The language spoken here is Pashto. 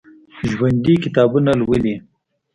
ژوندي کتابونه لولي